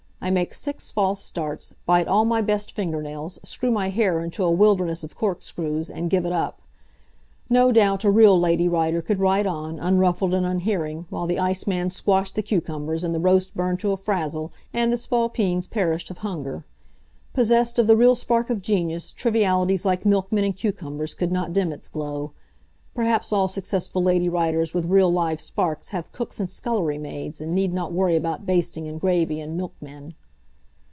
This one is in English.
I make six false starts, bite all my best finger nails, screw my hair into a wilderness of cork screws and give it up. No doubt a real Lady Writer could write on, unruffled and unhearing, while the iceman squashed the cucumbers, and the roast burned to a frazzle, and the Spalpeens perished of hunger. Possessed of the real spark of genius, trivialities like milkmen and cucumbers could not dim its glow. Perhaps all successful Lady Writers with real live sparks have cooks and scullery maids, and need not worry about basting, and gravy, and milkmen.